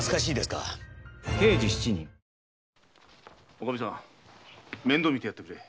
おかみさん面倒みてやってくれ。